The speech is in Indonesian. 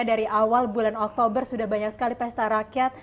dari awal bulan oktober sudah banyak sekali pesta rakyat